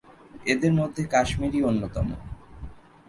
এদের মধ্যে কাশ্মীরি অন্যতম।